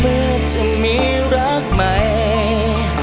เมื่อจะมีรักใหม่